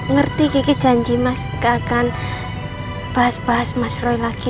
ngerti kiki janji mas akan bahas bahas mas roy lagi